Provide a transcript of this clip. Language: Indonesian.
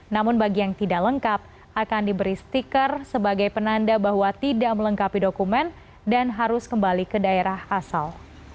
namun bagi yang tidak lengkap akan diberi stiker sebagai penanda bahwa tidak melengkapi dokumen dan harus kembali ke daerah asal